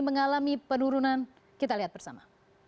mengalami penurunan kita lihat bersama